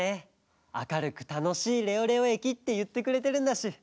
「あかるくたのしいレオレオえき」っていってくれてるんだし。